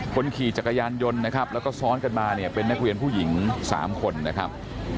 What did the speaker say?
คนขี่จักรยานยนต์นะครับแล้วก็ซ้อนกันมาเนี่ยเป็นนักเรียนผู้หญิง๓คนนะครับ